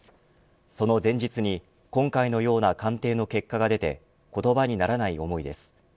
その前日に今回のような鑑定の結果が出て言葉にならない想いです。